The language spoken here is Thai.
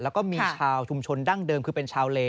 แล้วก็มีชาวชุมชนดั้งเดิมคือเป็นชาวเล